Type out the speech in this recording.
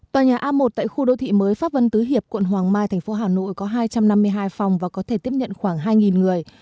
tòa nhà a một tại khu đô thị mới pháp vân tứ hiệp quận hoàng mai thành phố hà nội có hai trăm năm mươi hai phòng và có thể tiếp nhận khoảng hai người